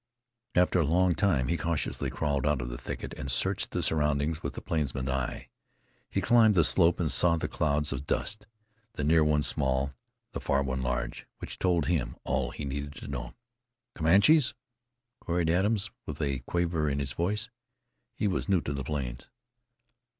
After a long time, he cautiously crawled out of the thicket and searched the surroundings with a plainsman's eye. He climbed the slope and saw the clouds of dust, the near one small, the far one large, which told him all he needed to know. "Comanches?" queried Adams, with a quaver in his voice. He was new to the plains.